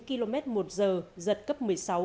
km một giờ giật cấp một mươi sáu